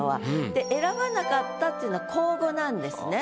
で「選ばなかった」っていうのは口語なんですね。